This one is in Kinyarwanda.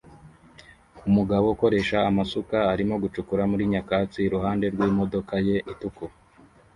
Umugabo ukoresha amasuka arimo gucukura muri nyakatsi iruhande rw'imodoka ye itukura